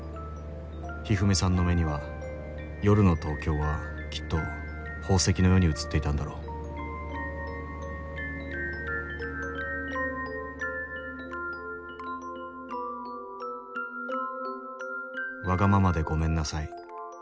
ひふみさんの目には夜の東京はきっと宝石のように映っていたんだろう「わがままでごめんなさい」。